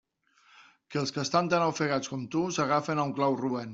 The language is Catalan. Els que estan tan ofegats com tu s'agafen a un clau roent.